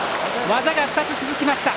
技が２つ続きました。